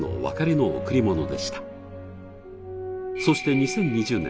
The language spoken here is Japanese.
そして２０２０年